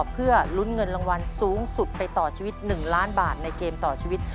เพื่อลุ้นเงินรางวัลสูงสุดไปต่อชีวิต๑ล้านบาทในเกมต่อชีวิต